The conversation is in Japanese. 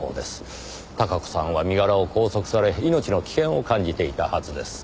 孝子さんは身柄を拘束され命の危険を感じていたはずです。